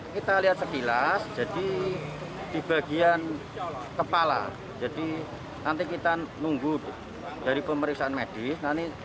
kita lihat sekilas jadi di bagian kepala jadi nanti kita nunggu dari pemeriksaan medis nanti